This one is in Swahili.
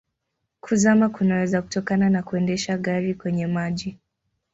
Kuzama kunaweza kutokana na kuendesha gari kwenye maji.